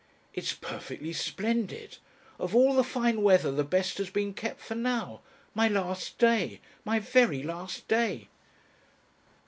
"It's perfectly splendid. Of all the fine weather the best has been kept for now. My last day. My very last day."